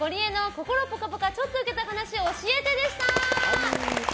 心ぽかぽかちょっとウケた話教えてでした。